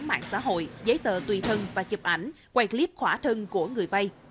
mạng xã hội giấy tờ tùy thân và chụp ảnh quay clip khỏa thân của người vay